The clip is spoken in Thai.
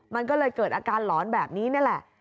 มันก็เลยเกิดอาการหลอนแบบนี้นี่แหละ